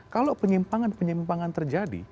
kalau penyimpangan penyimpangan terjadi